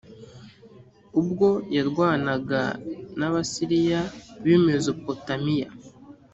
ubwo yarwanaga n abasiriya b i mezopotamiya